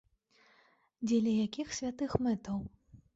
Дзеля якіх святых мэтаў?